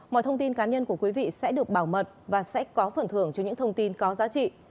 mọi thông tin cá nhân của quý vị sẽ được bảo mật và sẽ có phần thưởng cho những thông tin có giá trị